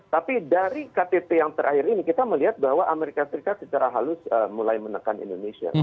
tapi dari ktt yang terakhir ini kita melihat bahwa amerika serikat secara halus mulai menekan indonesia